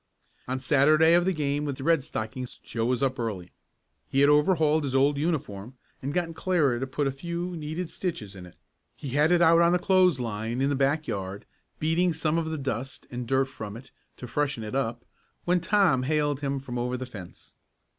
On the Saturday of the game with the Red Stockings, Joe was up early. He had overhauled his old uniform and gotten Clara to put a few needed stitches in it. He had it out on the clothes line in the back yard, beating some of the dust and dirt from it to freshen it up, when Tom hailed him from over the fence.